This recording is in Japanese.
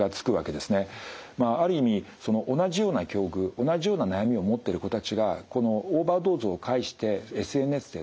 まあある意味同じような境遇同じような悩みを持ってる子たちがこのオーバードーズを介してＳＮＳで集まる。